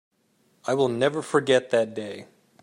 I will never forget that day.